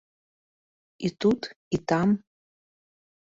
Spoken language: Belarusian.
І тут, і там.